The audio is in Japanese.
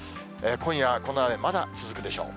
今夜はこの雨、まだ続くでしょう。